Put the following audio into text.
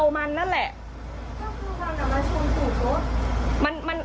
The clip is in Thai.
มันนั่นแหละมันเมามันนั่นแหละ